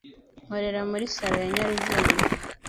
Nkorera muri salon ya nyarugenge